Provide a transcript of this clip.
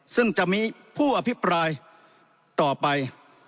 ซึ่งจะมีผู้อภิปรายต่อไป